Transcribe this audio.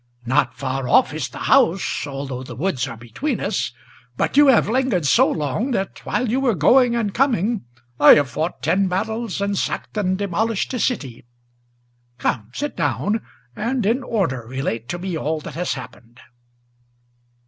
"Not far off is the house, although the woods are between us; But you have lingered so long, that while you were going and coming I have fought ten battles and sacked and demolished a city. Come, sit down, and in order relate to me all that has happened."